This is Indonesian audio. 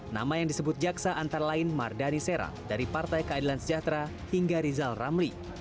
nama yang disebut jaksa antara lain mardani sera dari partai keadilan sejahtera hingga rizal ramli